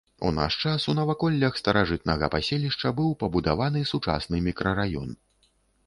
У наш час у наваколлях старажытнага паселішча быў пабудаваны сучасны мікрараён.